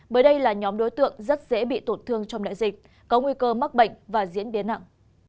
bởi đây là nhóm đối tượng rất dễ bị tổn thương trong đại dịch có nguy cơ mắc bệnh và diễn biến nặng